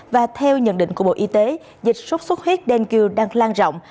và theo nhận định của bộ y tế dịch sốt xuất huyết đen kiều đang lan rộng